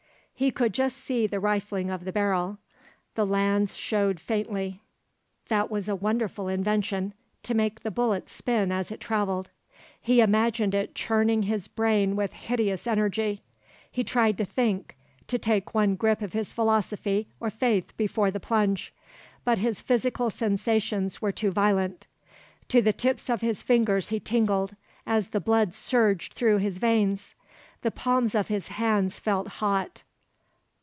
He could just see the rifling of the barrel; the lands showed faintly. That was a wonderful invention to make the bullet spin as it travelled. He imagined it churning his brain with hideous energy. He tried to think, to take one grip of his philosophy or faith before the plunge; but his physical sensations were too violent. To the tips of his fingers he tingled, as the blood surged through his veins; the palms of his hands felt hot.